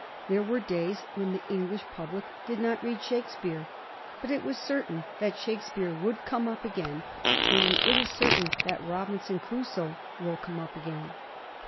There were days when the English pub lic did not read Shakespeare; but it was certain that Shakespeare would come up again, and it is certain that " Robinson Crusoe " will come up again.